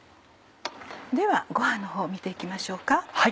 ではごはんのほう見て行きましょうか。